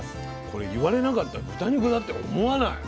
これ言われなかったら豚肉だって思わない。